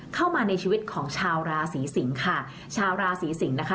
เข้ามาในชีวิตของชาวราศีสิงค่ะชาวราศีสิงศ์นะคะ